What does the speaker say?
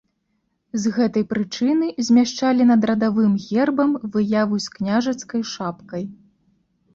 З гэтай прычыны змяшчалі над радавым гербам выяву з княжацкай шапкай.